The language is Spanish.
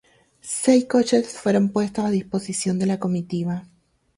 Seis coches fueron puestos a disposición de la comitiva.